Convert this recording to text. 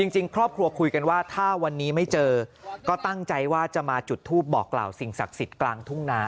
จริงครอบครัวคุยกันว่าถ้าวันนี้ไม่เจอก็ตั้งใจว่าจะมาจุดทูปบอกกล่าวสิ่งศักดิ์สิทธิ์กลางทุ่งนา